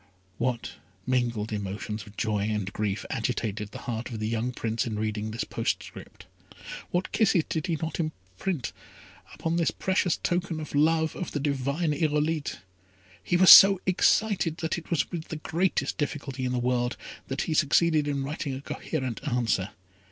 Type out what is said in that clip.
What mingled emotions of joy and grief agitated the heart of the young Prince in reading this postscript. What kisses did he not imprint on this precious token of the love of the divine Irolite! He was so excited that it was with the greatest difficulty in the world that he succeeded in writing a coherent answer.